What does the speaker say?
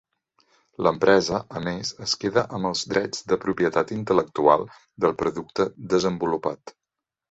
L'empresa, a més, es queda amb els drets de propietat intel·lectual del producte desenvolupat.